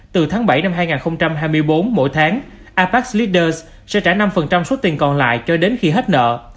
từ tháng bảy năm hai nghìn hai mươi bốn mỗi tháng abec leader sẽ trả năm suất tiền còn lại cho đến khi hết nợ